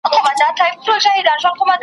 زه اعتماد چې په غزل کې ستا نامه وانخلم